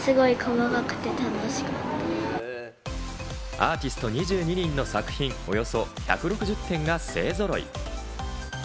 アーティスト２２人の作品、およそ１６０点が勢ぞろい。